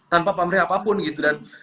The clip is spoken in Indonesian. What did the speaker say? tanpa pamrih apapun gitu